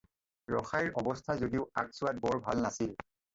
ৰসাইৰ অৱস্থা যদিও আগ ছোৱাত বৰ ভাল নাছিল।